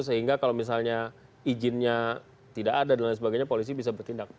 sehingga kalau misalnya izinnya tidak ada dan lain sebagainya polisi bisa bertindak